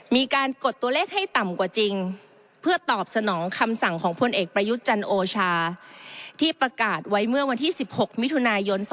มีการกดตัวเลขให้ต่ำกว่าจริง